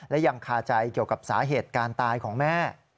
และยังคาใจเกี่ยวกับสาเหตุการณ์ตายของแม่